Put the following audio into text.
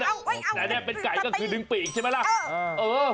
ไอ้แครกเป็นไก่ก็คือดึงปีกใช่ไหมล่ะโอ้